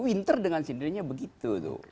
winter dengan sendirinya begitu